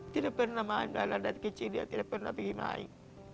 tidak pernah main dari kecil dia tidak pernah pergi main